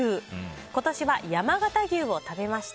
今年は山形牛を食べました。